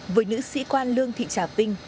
với nữ sĩ quan lương thị trà tinh